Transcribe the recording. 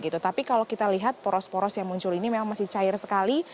tapi kalau kita lihat poros poros yang muncul ini memang masih cair sekali